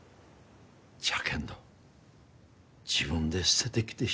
じゃけんど自分で捨ててきてしもうたがよ。